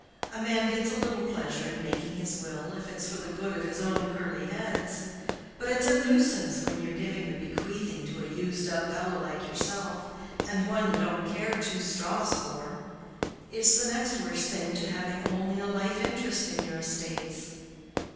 A man gets a little pleasure in making his will, if it's for the good of his own curly heads; but it's a nuisance when you're giving the bequeathing to a used up fellow like yourself, and one you don't care two straws for. It's the next worse thing to having only a life interest in your estates.